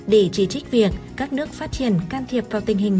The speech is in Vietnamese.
để chỉ trích việc các nước phát triển can thiệp vào tình hình